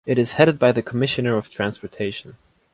It is headed by the "Commissioner of Transportation".